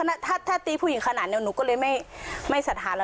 ถ้าถ้าถ้าตีผู้หญิงขนาดนี้หนูก็เลยไม่ไม่สะทานแล้ว